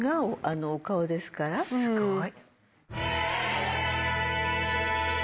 すごい。